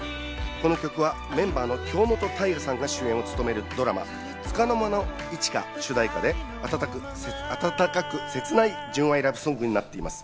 この曲はメンバーの京本大我さんが主演を務めるドラマ『束の間の一花』の主題歌で、あたたかく、せつない純愛ラブソングになっています。